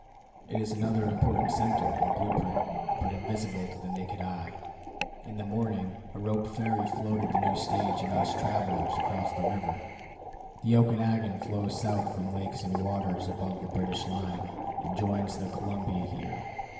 It is another important center, in blue print, but invisible to the naked eye. In the morning, a rope ferry floated the new stage and us travelers across the river. The Okanagon flows south from lakes and waters above the British line, and joins the Columbia here.